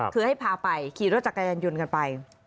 คือให้พาไปขี่รถจักรยานยนต์กันไป